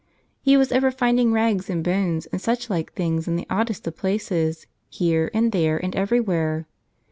He was ever finding rags and bones and such like things in the oddest of places, here and there and everywhere.